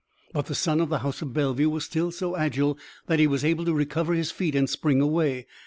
But the son of the house of Bellevue was still so agile that he was able to recover his feet and spring away.